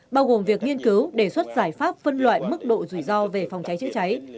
bao gồm việc nghiên cứu đề xuất giải pháp phân loại mức độ rủi ro về phòng cháy chữa cháy